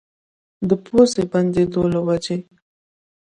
د پوزې بندېدو له وجې